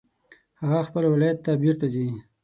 هغه خپل ولایت ته بیرته ځي